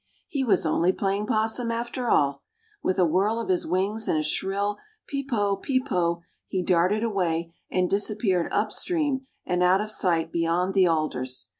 He was only playing possum after all. With a whirl of his wings and a shrill "peep po," "peep po," he darted away and disappeared up stream and out of sight beyond the alders.